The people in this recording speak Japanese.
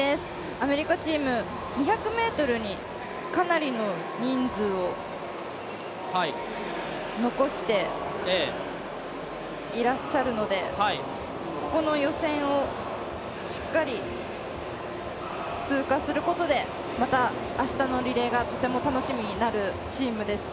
アメリカチーム、２００ｍにかなりの人数を残していらっしゃるのでこの予選をしっかり通過することで、また明日のリレーがとても楽しみになるチームです。